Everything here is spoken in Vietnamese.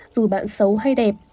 dù bạn xấu hay đẹp